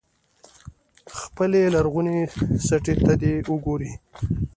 خپلې لرغونې سټې ته دې وګوري.